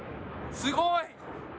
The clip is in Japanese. すごい！